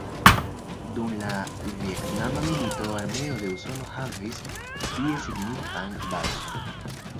Dum la Vjetnama milito armeo de Usono havis tie signifan bazon.